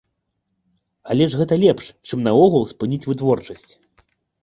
Але ж гэта лепш, чым наогул спыніць вытворчасць.